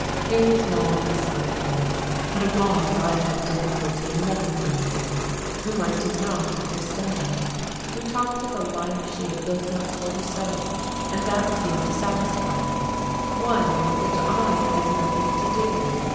Here was Maude beside me, but a Maude I had difficulty in recognizing, whom I did not understand: who talked of a life she had built up for herself and that seemed to satisfy her; one with which I had nothing to do.